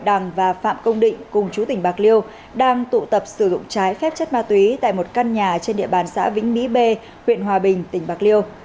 đàng và phạm công định cùng chú tỉnh bạc liêu đang tụ tập sử dụng trái phép chất ma túy tại một căn nhà trên địa bàn xã vĩnh mỹ b huyện hòa bình tỉnh bạc liêu